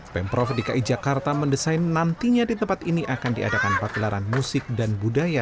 pemprov dki jakarta mendesain nantinya di tempat ini akan diadakan pagelaran musik dan budaya